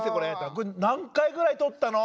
これ何回ぐらい撮ったの？